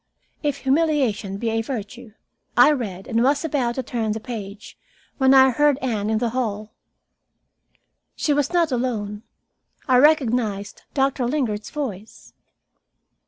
"If humiliation be a virtue " I read and was about to turn the page, when I heard Anne in the hall. She was not alone. I recognized Doctor Lingard's voice.